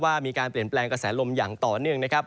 ว่ามีการเปลี่ยนแปลงกระแสลมอย่างต่อเนื่องนะครับ